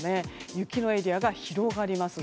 雪のエリアが広がります。